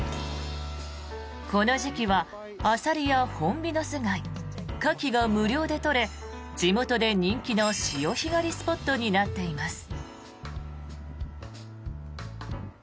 この時期はアサリやホンビノスガイカキが無料で取れ地元で人気の潮干狩りスポットになっています。